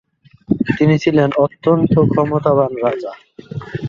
তিনি ছিলেন অত্যন্ত ক্ষমতাবান রাজা।